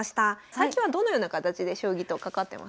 最近はどのような形で将棋と関わってますか？